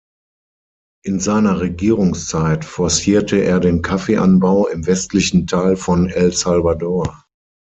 In seiner Regierungszeit forcierte er den Kaffeeanbau im westlichen Teil von El Salvador.